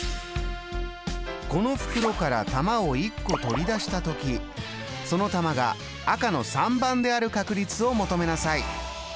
この袋から玉を１個取り出した時その玉が赤の３番である確率を求めなさい。